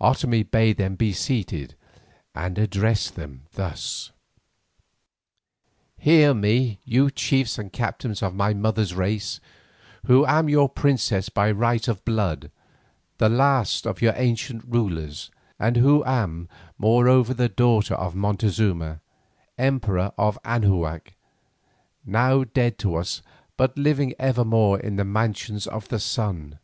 Otomie bade them be seated and addressed them thus: "Hear me, you chiefs and captains of my mother's race, who am your princess by right of blood, the last of your ancient rulers, and who am moreover the daughter of Montezuma, Emperor of Anahuac, now dead to us but living evermore in the Mansions of the Sun.